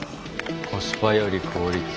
コスパよりクオリティ。